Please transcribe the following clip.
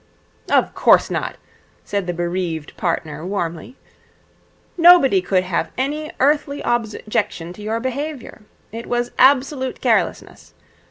'Of course not,' said the bereaved partner warmly. 'Nobody could have any earthly objection to your behaviour. It was absolute carelessness.